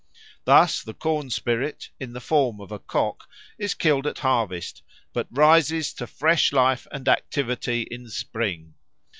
Thus the corn spirit, in the form of a cock, is killed at harvest, but rises to fresh life and activity in spring.